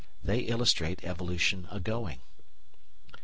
They illustrate evolution agoing.